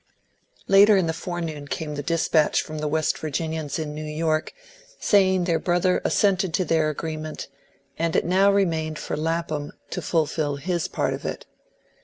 LATER in the forenoon came the despatch from the West Virginians in New York, saying their brother assented to their agreement; and it now remained for Lapham to fulfil his part of it.